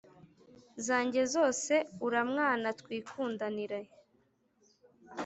zajye zose uramwana twikundanire”